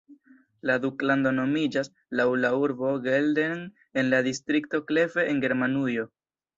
La duklando nomiĝas laŭ la urbo Geldern en la distrikto Kleve en Germanujo.